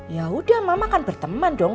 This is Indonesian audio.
yaudah mama kan berteman dong